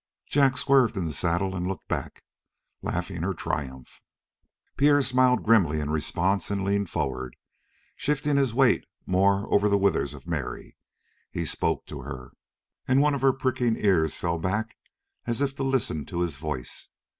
Jack swerved in the saddle and looked back, laughing her triumph. Pierre smiled grimly in response and leaned forward, shifting his weight more over the withers of Mary. He spoke to her, and one of her pricking ears fell back as if to listen to his voice.